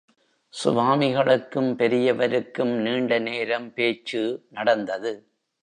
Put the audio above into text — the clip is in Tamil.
சுவாமிகளுக்கும் பெரியவருக்கும் நீண்ட நேரம் பேச்சு நடந்தது.